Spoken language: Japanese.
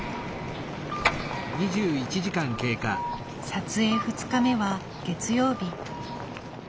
撮影２日目は月曜日。